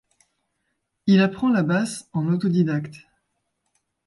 Il apprend la basse en autodidacte.